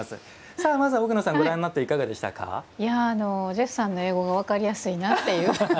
ジェフさんの英語が分かりやすいなっていう。